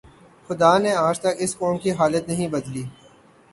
خدا نے آج تک اس قوم کی حالت نہیں بدلی